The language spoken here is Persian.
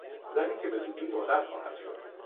زنی که به زودی مادر خواهد شد